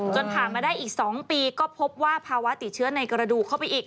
ผ่านมาได้อีก๒ปีก็พบว่าภาวะติดเชื้อในกระดูกเข้าไปอีก